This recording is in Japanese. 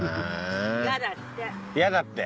やだって？